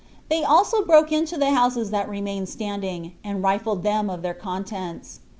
They also broke into the houses that remained standing, and rifled them of their contents.